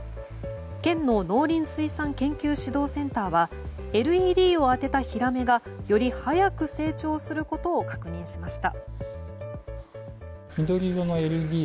県の農林水産研究指導センターはＬＥＤを当てたヒラメがより早く成長することを確認しました。